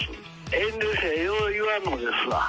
遠慮してよう言わんのですわ。